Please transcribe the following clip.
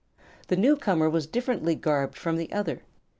The newcomer was differently garbed from the other.